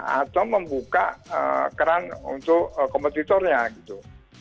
atau membuka keran untuk kompetitornya gitu